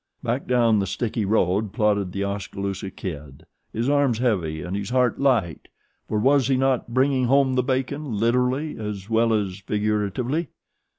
Back down the sticky road plodded The Oskaloosa Kid, his arms heavy and his heart light, for, was he not 'bringing home the bacon,' literally as well as figuratively.